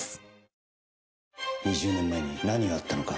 ２０年前に何があったのか。